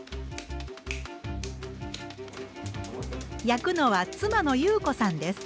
焼くのは妻の優子さんです。